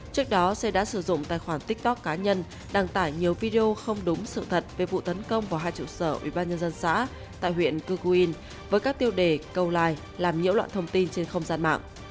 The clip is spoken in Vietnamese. trước đó xe đã sử dụng tài khoản tiktok cá nhân đăng tải nhiều video không đúng sự thật về vụ tấn công vào hai trụ sở ubnd xã tại huyện cư cu yên với các tiêu đề câu like làm nhiễu loạn thông tin trên không gian mạng